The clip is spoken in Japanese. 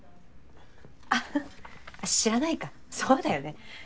フッ知らないかそうだよね。